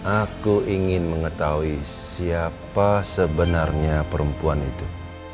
aku ingin mengetahui siapa sebenarnya perempuan itu